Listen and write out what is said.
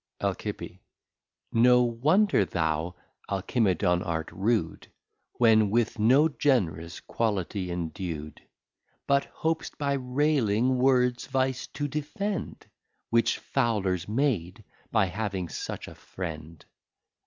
Alci. No wonder thou Alcimedon art rude, When with no Gen'rous Quality endu'd: But hop'st by railing Words Vice to defend, Which Foulers made, by having such a Friend.